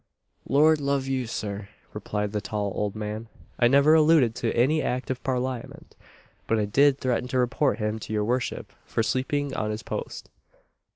"Lord love you, sir," replied the tall old man, "I never alluded to any Act of Parliament; but I did threaten to report him to your worship for sleeping on his post."